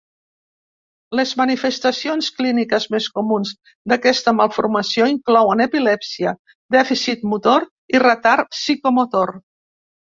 Les manifestacions clíniques més comuns d"aquesta malformació inclouen epilèpsia, dèficit motor i retard psicomotor.